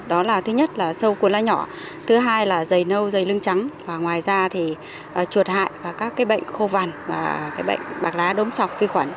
đó là thứ nhất là sâu cuốn lá nhỏ thứ hai là dày nâu dày lưng trắng và ngoài ra thì chuột hại và các bệnh khô vằn và bệnh bạc lá đống sọc vi khuẩn